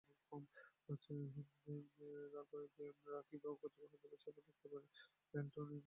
রায় কীভাবে কার্যকর হবে, তার বিস্তারিত ব্যাখ্যা দিয়েছেন অ্যাটর্নি জেনারেল মাহবুবে আলম।